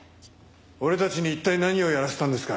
俺たちに一体何をやらせたんですか？